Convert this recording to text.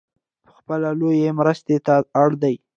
پخپله لویې مرستې ته اړ دی .